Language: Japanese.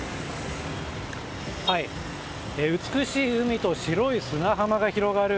美しい海と白い砂浜が広がる